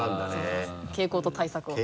傾向と対策を。